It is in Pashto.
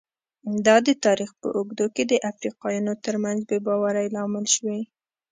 دا د تاریخ په اوږدو کې د افریقایانو ترمنځ بې باورۍ لامل شوي.